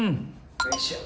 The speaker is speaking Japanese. よいしょっ。